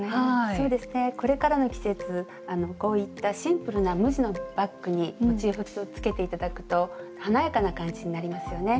そうですねこれからの季節こういったシンプルな無地のバッグにモチーフをつけて頂くと華やかな感じになりますよね。